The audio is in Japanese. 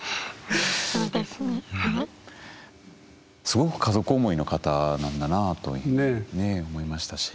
すごく家族思いの方なんだなというふうに思いましたし。